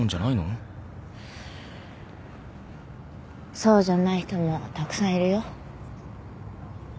そうじゃない人もたくさんいるよ。